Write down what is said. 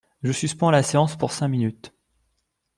Je suspends la séance pour cinq minutes.